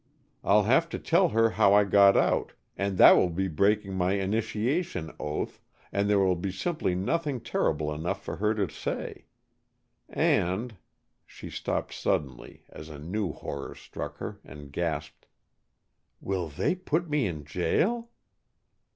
I'll have to tell her how I got out and that will be breaking my initiation oath and there will simply be nothing terrible enough for her to say. And " she stopped suddenly as a new horror struck her, and gasped. "Will they put me in jail?"